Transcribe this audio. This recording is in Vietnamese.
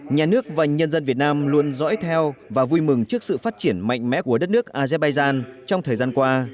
nhà nước và nhân dân việt nam luôn dõi theo và vui mừng trước sự phát triển mạnh mẽ của đất nước azerbaijan trong thời gian qua